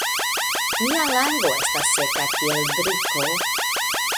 Mia lango estas seka kiel briko.